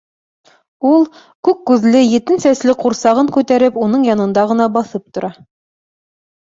Ул, күк күҙле, етен сәсле ҡурсағын күтәреп, уның янында ғына баҫып тора.